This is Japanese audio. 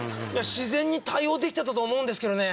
自然に対応できてたと思うんですけどね。